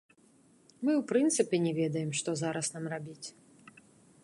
Мы ў прынцыпе не ведаем, што зараз нам рабіць.